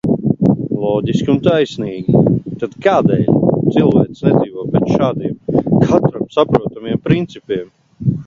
Loģiski un taisnīgi. Tad kādēļ cilvēce nedzīvo pēc šādiem, katram saprotamiem principiem?